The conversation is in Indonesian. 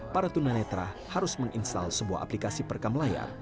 para tunanetra harus menginstal sebuah aplikasi perekam layar